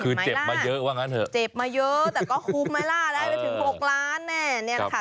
คือเจ็บมาเยอะว่างั้นเถอะเจ็บมาเยอะแต่ก็คุ้มไหมล่ะได้ไปถึง๖ล้านแน่เนี่ยแหละค่ะ